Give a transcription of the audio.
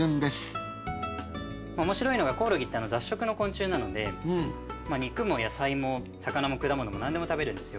面白いのがコオロギって雑食の昆虫なので肉も野菜も魚も果物も何でも食べるんですよ。